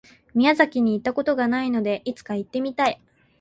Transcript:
宮崎に行った事がないので、いつか行ってみたい。